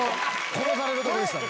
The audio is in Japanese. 殺されるとこでしたね。